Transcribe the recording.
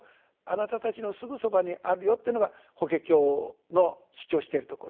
貴方たちのすぐそばにあるよ」というのが法華経の主張しているところ。